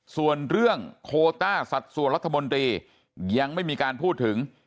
ส่วนเรื่องโคต้าสัดส่วนรัฐมนตรียังไม่มีการพูดถึง